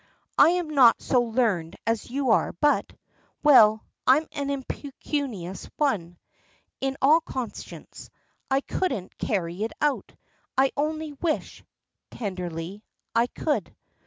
"I am not so learned as you are, but Well, I'm an 'impecunious one,' in all conscience. I couldn't carry it out. I only wish," tenderly, "I could."